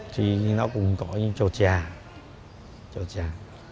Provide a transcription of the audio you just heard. thì nó cục tò chà